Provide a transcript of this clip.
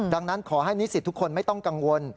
ดังนั้นขอให้นิสิตทุกคนไม่ต้องกังวล